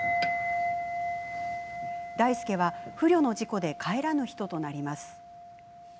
大祐は不慮の事故で帰らぬ人となります。